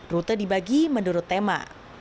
rute dibagi menurut tema